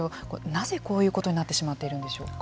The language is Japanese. なぜこういうことになってしまっているんでしょうか。